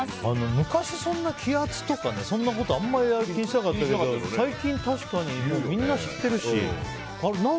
昔、気圧とかそんなことあんまり気にしてなかったけど最近確かにみんな知ってるし。